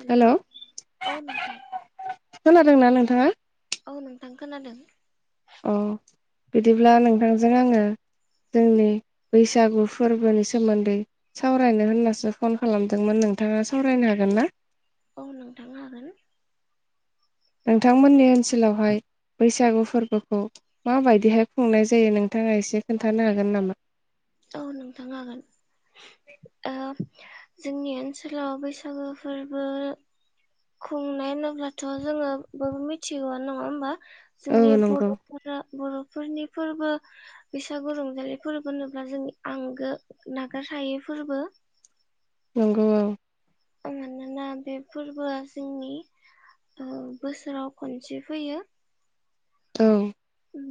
Hello hello औ नोंथां खोनादोंना नोंथाङा? औ नोंथां खोनादों। अ बिदिब्ला नोंथांजों आंङो जोंनि बैसागु फोरबोनि सोमोन्दै सावरायनो होननासो फन खालामदोंमोन नो थाङा सावरायनो हागोन ना? औ नोंथां हागोन। नोंथांमोननि ओन्सोलावहाय बैसागु फोरबोखौ मा बायदियै हाय' खुंनाय जायो नोंथाङा एसे खोन्थानो हागोन नामा? औ नोंथां हागोन ओ जोंनि ओनसोलाव बैसागो फोरबो खुंनाय होनोब्लाथ' जोङो बयबो मिथिगौ नङा होमबा? औ जोंनि नंगौ बर'फोरा बर'फोरनि फोरबो बैसागु रंजालि फोरबो होनो ब्ला जोंनि आंगो नागार हायै फोरबो। नंगौ ओं। मानोना बे फोरबोआ जोंनि ओ बोसोराव खनसे फैयो। औ।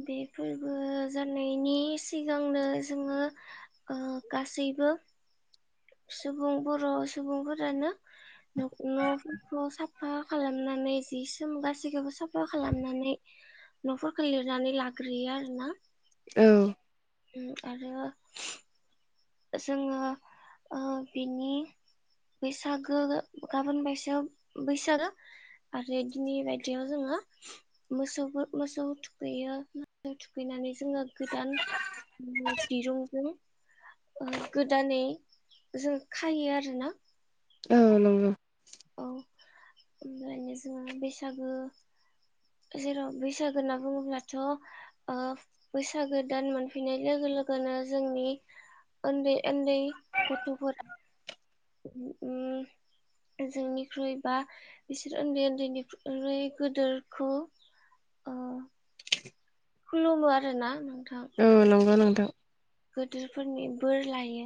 बे फोरबो जानायनि सिगांनो जोङो ओ गासैबो [inaudible] सुबुं बर' सुबुंफोरानो न' न'फोरखौ साफा खालामना नै जि सोम गासिखौबो साफा खालामनानै न'फोरखौ लिरनानै लाग्रोयो आरो ना। औ। ओम आरो जोङो ओ बिनि बैसागो गाबोन बैसाग बैसागो आरो दिनै बायदियाव जोङो मोसौ मोसौ थुखैयो मोसौ थुखैना नै जोङो गोदान दिरुंजों ओ गोदानै जों खायो आरोना औ नंगौ औ ओमफ्रायनो जोङो बैसागो जेराव बैसागो होनना बुङोब्लाथ' ओ बैसागो दान मोनफैनाय लोगो लोगोनो जोंनि उन्दै उन्दै गथ'फोरा उम जोंनिख्रुइ बा बिसोर उन्दै उन्दैनिख्रुइ गोदोरखौ [inaudible] खूलुमो आरो ना नों ओम नोंगौ नोंथां गोदोरफोरनि बोर लायो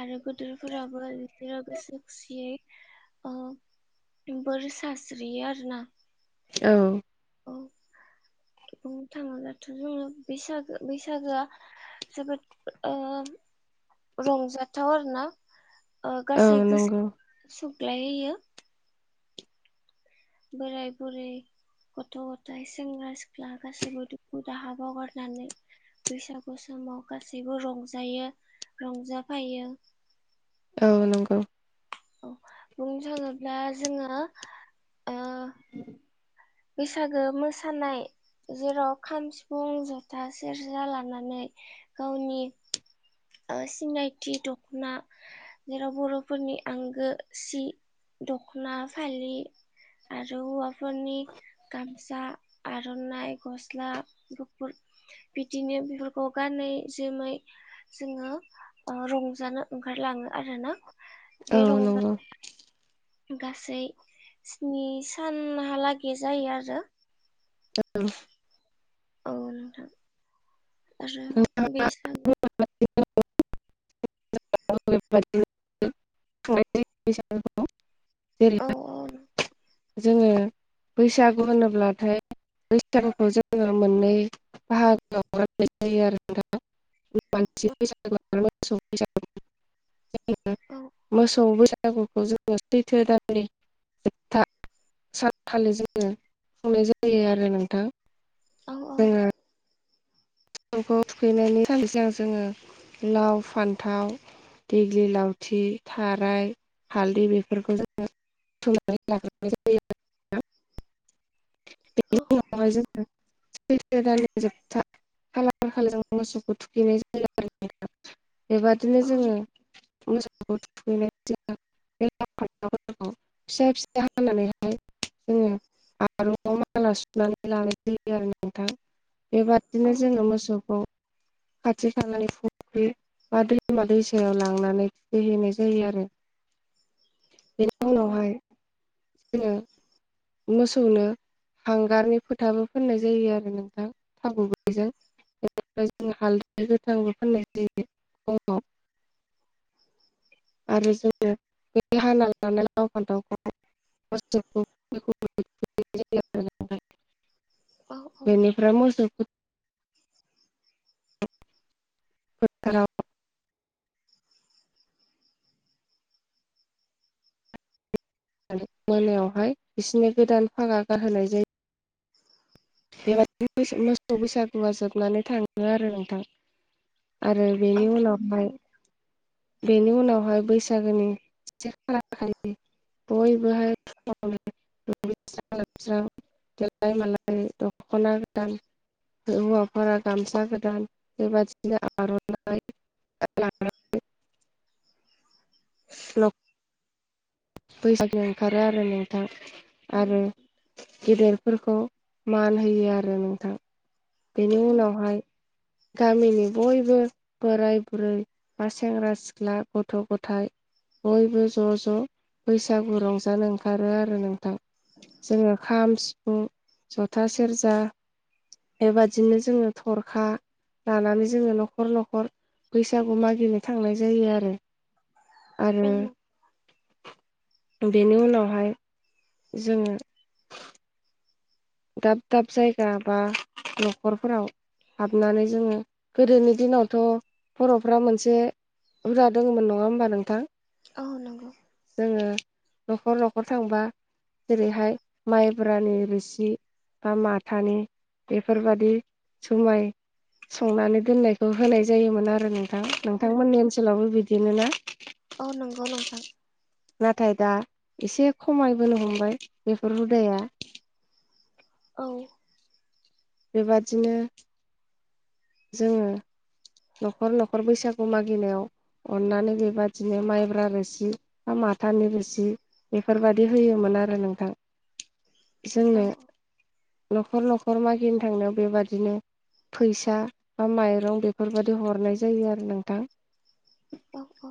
आरो गदोरफोराबो बिसोरो गोसो खुसियै ओ बोर साज्रियो आरो ना औ बुंनो थाङोब्लाथ' जोङो बैसागो बैसागोआ जोबोद ओ रंजाथाव आरो ना ओ औ गासै नंगौ गोसो सुग्लायहोयो बोराय बुरै गथ'-गथाइ सेंग्रा सिख्ला गासैबो दुखु दाहा बावगारनानै बैसागु स माव गासैबो रंजायो रंजाफायो औ नंगौ औ बुंनो थाङोब्ला जोङो ओ बैसागो मोसानाय जेराव खाम, सिफुं जथा, सेरजा लानानै गावनि ओ सिनायथि दख'ना जेराव बर'फोरनि आंगो सि दख'ना फालि आरो हौवाफोरनि गामसा, आर'नाइ, गस्ला गुफुर बिदिनो बेफोरखौ गानै जोमै जोङो रंजानो ओंखारलाङो आरोना बे औ रंजा नंगौ गासै स्नि सानहालागै जायो आरो। औ औ नोंथां आरो बैसाग [unintelligible] [unintelligible] जेरै औ औ जोङो बैसागु होनोब्लाथाय बैसागुखौ जोङो मोननै बाहागोआव राननाय जायो आरो नोंथां मानसि बैसागु आरो मोसौ बैसागु। औ मोसौ बैसागुखौ जोङो सैथो दाननि जोबथा सानखालि जोङो खुंनाय जायो आरो नोंथां। औ जोङो मोसौखौ थुखैनायनि सिगां जोङो लाव फान्थाव देग्लि लावथि थाराय हालदै बेफोरखौ जोङो [unintelligible] औ बेनि उनाव जोङो सैथ्रो दाननि जोबथा खालार खाल मोसौखौ थुखैनाय जायो आरो बेबादिनो औ जोङो। मोसखौ थुखैनाय जों [unintelligible] बे [unintelligible] औ फिसा फिसा हानानैहाय जोङो आर'आव माला सुनानै लानाय जायो आरो नोंथां बेबा औ बिदिनो जोङो मोसौखौ खाथि खालानिनि फुख्रि बा दैमा दैसायाव लांनानै थुखैहैनाय जायो आरो। औ बेनि औ। उनावहाय जोङो मोसौनो हांगारनि फोथाबो फोननाय जायो आरो नोंथां थाबैजों। बेनि जों हालदि गोथांबो फोननाय जायो खार'वाव आरो जोङो हाना लानानै फान्थावखौ [unintelligible] औ बेनिफ्राय मोसौ [unintelligible] मोनायावहाय बिसिनो गोदान फागा गानहोनाय जायो। बेबादिनो मोसौ बैसागुआ जोबनानै थाङो आरो नोंथा। आरो औ बेनि औ उनावहाय थानो बेनि उनावहाय बैसाग बैसागोनि [unintelligible] बयबोहाय [unintelligible] स्रां लोबस्रां देलाय मालाय दख'ना गोदान हौवाफोरा गामसा गोदान बेबादिनो आर'नाइ [unintelligible] [unintelligible] बैसागो ओंखारो आरो नोंथां औ आरो गेदेर फोरखौ मान होयो आरो नोंथां। बेनि उनावहाय गामिनि बयबो बो बोराय बुरै बा सेंग्रा सिख्ला गथ' गथायाइ। बयबो ज' ज' बैसागु रंजानो ओंखारो आरो नोंथां। जोङो खाम, सिफुं, जथा, सेरजा बेबादिनो जोङो थरखा लानानै जोङो न'खर न'खर बैसागु मागिनो थांनाय जायो आरो। औ आरो बेनि उनावहाय जोङो दाब दाब जायगा बा न'खरफोराव हाबनानै जोङो गोदोनि दिनावथ' बर'फ्रा मोनसे बुरजा दङमोन नङा होमबा नोंथां? औ नंगौ। जोङो न'खर न'खर थांबा जेरैहाय माइब्रानि रोसि बा माथानि बेफोरबादि जुमाय संनानै दोननायखौ होनाय जायोमोन आरो औ नोंथांश औ नोंथांमोननि ओनसोलावबो बिदिनो ना? औ नंगौ नोंथां। नाथाय दा एसे खमायबोनो हमबाय बेफोर हुदाया औ। बेबादिनो जोङो न'खर न'खर बैसागु मागिनायाव अननानै बेबादिनो माइब्रा रोसि मा माथा नि रोसि बेफोरबायाददि होयोमोन आरो नोंथां। जोंनो औ न'खर न'खर मागिनो थांनायाव बेबादिनो फैसा बा माइरं बे बेफोरबायदि हरनाय जायो आरो नोंथां। अ औ।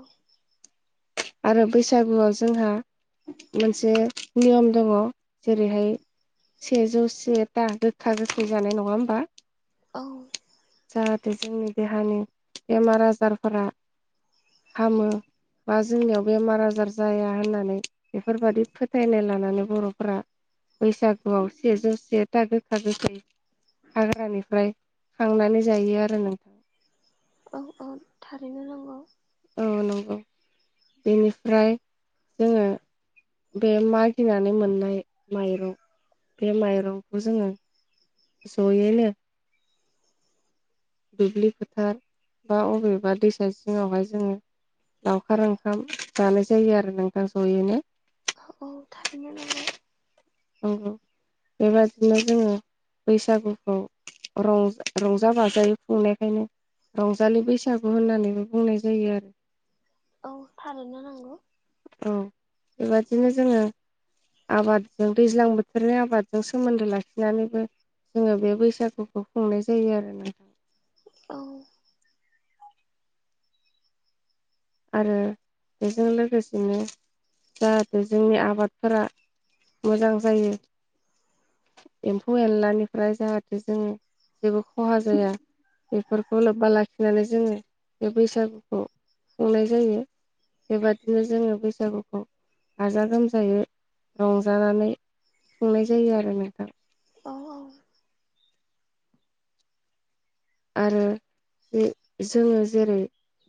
आरो बैसागुआव जोंहा मोनसे नियम दङो जेरैहाय सेजौ सेथा गोखा गोखै जानाय नङा होमबा औ जाहाथे जोंनि देहानि बेमार आजारफोरा हामो बा जोंनियाव बेमार आजार जाया होननानै बेफोरबायादि फोथायनाय लानानै बर'फोरा बैसागुआव सेजौ सेथा गोखा गोखै हाग्रानिफ्राय खांनानै जायो आरो नोंथां औ औ थारैनो नांगौ। औनंगौ बेनिफ्राय जोङो बे मागिनानै मोननाय माइरं बे माइरंखौ जोङो ज'यैनो दुब्लि फोथार बा अबेबा दैसा सिङावहाय जोङो लावखार ओंखाम जानाय जायो आरो नोंथां जयैनो औ थारैनो नंगौ बेबादिनो जोङो बैसागुखौं रं रंजा बाजायोै खुंनायखायनो रंजालि बैसागु होननानैबो बुंनाय जायो आरो औ थारैनो नांगौ औ बेबादिनो जोङो आबादजों दैज्लां बोथोरनि आबादजों सोमोन्दो लाखिनानैबो जोङो बे बैसागुखौ खुंनाय जायो आरो ना औ आरो बेजों लोगोसेनो जाहाथे जोंनि आबादफोरा मोजां जायो एम्फौ एनलानिफ्राय जाहाथे जों जेबो खहा जाया बेफोरखौ लोब्बा लाखिनानै जोङो बे बैसागुखौ खुंनाय जायो बेबादिनो जोङो बैसागुखौ गाजा गोमजायै रंजानानै खुंनाय जायो आरो नोंथां औ औ आरो बे जोङो जेरै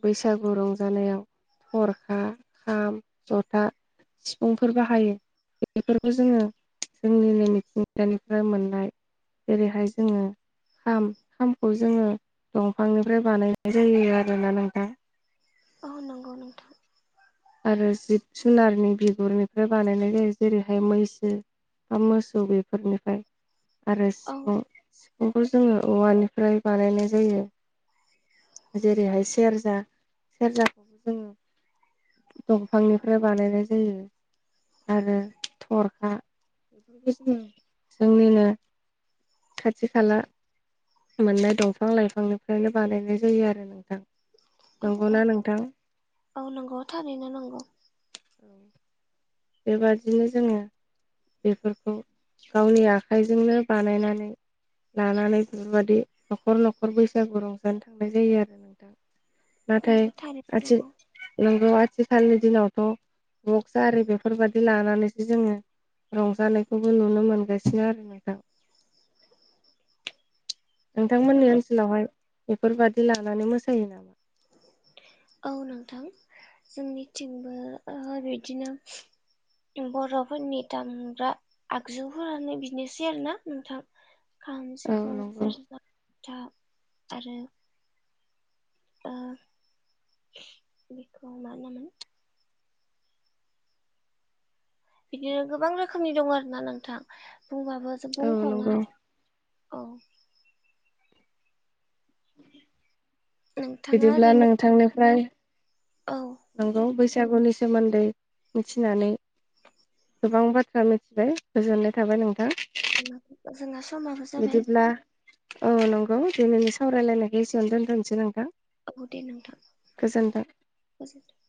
बैसागु रंजानायाव थरखा खाम जथा सिफुंफोर बाहायो। बेफोरखौ जोङो जोंनि नै मिथिंगानिफ्राय मोननाय जेरैहाय जोङो खाम खौ जोङो दंफांनिफ्राय बानायनाय जायो आरोना नोंथां औ नंगौ नोंथां आरो जिब जुनारनि बिगुरनिफ्राय बानायनाय जायो जेरैहाय मैसो बा मोसौ बेफोरनिफ्राय आरो औ सिफुं सिफुंखौ जोङो औवानिफ्राय बानायनाय जायो जेरैहाय सेरजा सेरजाखौबो जोङो दंफांनिफ्राय बानायनाय जायो आरो थरखा जोंनिनो खाथि खाला मोननाय दंफां लाइफांनिफ्रायनो बानायनाय जायो आरो नोंथां औ औ नंगौना नोंथां औ नंगौ थारैनो नंगौ बेबादिनो जोङो बेफोरखौ गावनि आखाइजोंनो बानायनानै लानानै बेफोरबायदि न'खर न'खर बैसागु रंजानो थांनाय जायो आरो नोंथां औ नाथाय थारैनो आथि नंगौ नोंगौ आथिखालनि दिनावथ' बक्स आरि बेफोरबादि लानानैसो जोङो रंजानायखौबो नुनो मोनगासिनो आरो नोंथां नोंथांमोननि ओनसोलावहाय बेफोरबादि लानानै मोसायो नामा? औ नोंथां जोंनिथिंबो ओ बिदिनो बर'फोरनि दामग्रा आगजुफोरानो बिदनोसै आरो ना नोंथां खाम औ सिफुं नंगौ सेरजा जथा आरो ओ बेखौ मा होनोमोन बिदिनो गोबां रोखोमनि दं आरो ना नोंथां बुंबाबोजो औ बुंख'नो नंगौ हाया औ नोंथाङा बिदिब्ला ओरैनो नोंथांनिफ्राय औ नंगौ बैसागुनि सोमोन्दै मिथिनानै गोबां बाथ्रा मिथिबाय गोजोननाय थाबाय नोंथां जोंहा समाबो जाबाय बिदिब्ला औ नंगौ दिनैनि सावरायलायनायखो एसेयावनो दोनथ'नोसै नोंथां औ दे नोंथां गोजोन्थों। गोजोन्थों